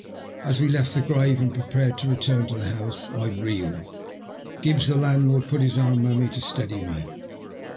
As we left the grave and prepared to return to the house, I reeled. Oibbs, the landlord, put his arm round me to steady me.